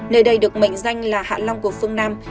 nơi đây được mệnh danh là hạ long của phương nam